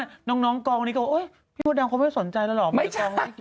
หรือว่าน้องกองนี้ก็โฮ้ยพี่พ่อดังเขาไม่สนใจเหรอ